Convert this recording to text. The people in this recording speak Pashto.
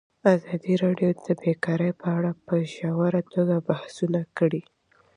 ازادي راډیو د بیکاري په اړه په ژوره توګه بحثونه کړي.